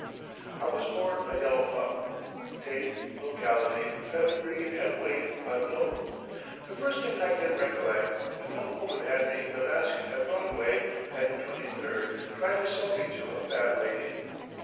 I was born a yellow pup; date, locality, pedigree and weight unknown. The first thing I can recollect, an old woman had me in a basket at Broadway and Twenty third trying to sell me to a fat lady.